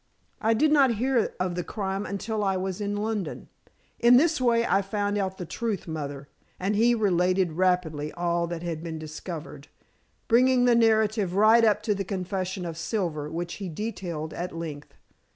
I did not hear of the crime until I was in London. In this way I found out the truth, Mother!" and he related rapidly all that had been discovered, bringing the narrative right up to the confession of Silver, which he detailed at length.